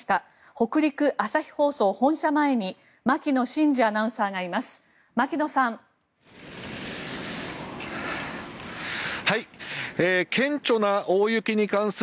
北陸朝日放送本社前に牧野慎二アナウンサーがいます。